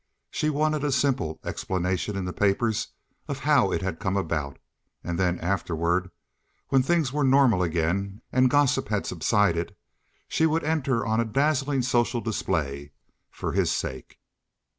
She wanted a simple explanation in the papers of how it had come about, and then afterward, when things were normal again and gossip had subsided, she would enter on a dazzling social display for his sake.